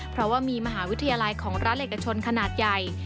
เพราะว่ามีมหาวิทยาลัยของร้านเอกชนขนาดใหญ่